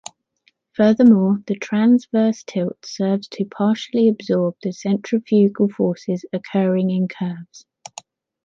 Furthermore, the transverse tilt serves to partially absorb the centrifugal forces occurring in curves.